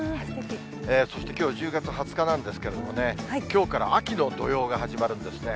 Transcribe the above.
そしてきょう、１０月２０日なんですけれどもね、きょうから秋の土用が始まるんですね。